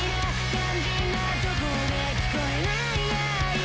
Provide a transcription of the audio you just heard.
「肝心なとこで聴こえない外野」